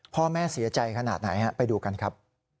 พ่อแม่เสียใจขนาดไหนไปดูกันครับ